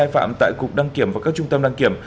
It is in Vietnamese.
phạm tại cục đăng kiểm và các trung tâm đăng kiểm